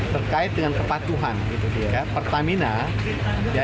terkait dengan kepatuhan pertamina